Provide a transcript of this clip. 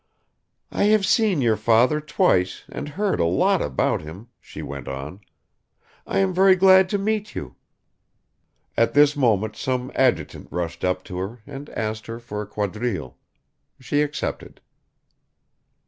"I have seen your father twice and heard a lot about him," she went on. "I am very glad to meet you." At this moment some adjutant rushed up to her and asked her for a quadrille. She accepted.